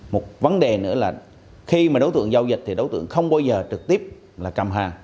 một vấn đề nữa là khi mà đối tượng giao dịch thì đối tượng không bao giờ trực tiếp là cầm hàng